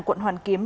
quận hoàn kiếm